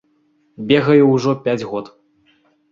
Бегаю ўжо пяць год.